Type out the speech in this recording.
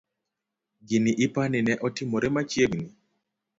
Gini ipani ne otimore machiegni?